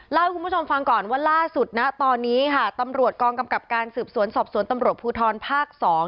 เล่าให้คุณผู้ชมฟังก่อนว่าล่าสุดนะตอนนี้ค่ะตำรวจกองกำกับการสืบสวนสอบสวนตำรวจภูทรภาค๒